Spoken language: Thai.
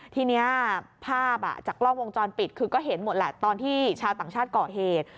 ทีนี้ภาพจากกล้องวงจรปิดคือก็เห็นหมดแหละตอนที่ชาวต่างชาติก่อเหตุ